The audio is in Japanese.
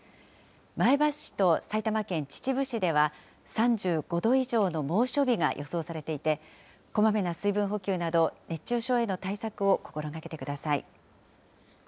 前橋市と埼玉県秩父市では、３５度以上の猛暑日が予想されていて、こまめな水分補給など、熱中症への対策を心がけてください。